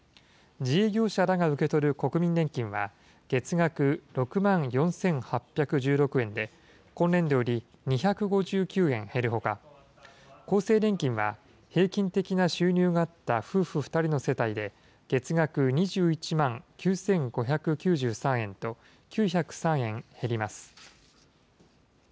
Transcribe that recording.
自営業者らが受け取る国民年金は、月額６万４８１６円で、今年度より２５９円減るほか、厚生年金は、平均的な収入があった夫婦２人の世帯で、月額２１万９５９３円と、９０３円減ります。